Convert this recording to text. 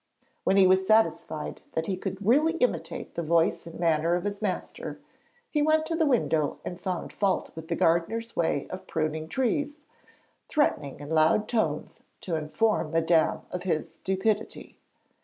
When he was satisfied that he could really imitate the voice and manner of his master, he went to the window and found fault with the gardener's way of pruning trees, threatening in loud tones to inform Madame of his stupidity.